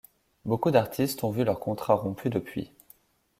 Beaucoup d'artistes ont vu leur contrat rompu depuis.